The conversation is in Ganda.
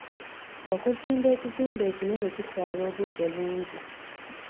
Okuzimba ekizimbe ekinene kitwala obudde bungi.